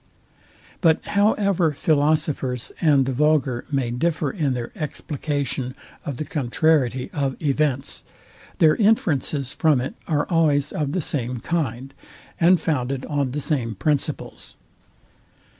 But however philosophers and the vulgar may differ in their explication of the contrariety of events, their inferences from it are always of the same kind, and founded on the same principles.